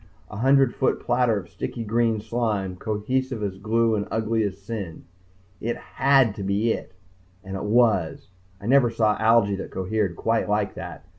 A hundred foot platter of sticky green slime, cohesive as glue and ugly as sin. It had to be it and it was. I never saw algae that cohered quite like that.